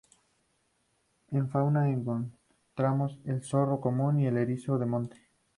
En fauna encontramos el zorro común y el erizo de monte.